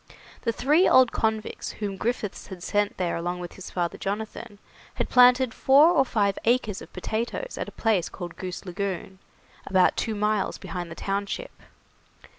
The three old convicts whom Griffiths had sent there along with his father Jonathan, had planted four or five acres of potatoes at a place called Goose Lagoon, about two miles behind the township.